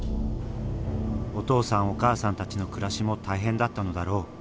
お父さんお母さんたちの暮らしも大変だったのだろう。